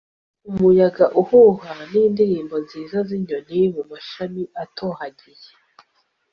umuyaga uhuha n'indirimbo nziza z'inyoni mu mashami atohagiye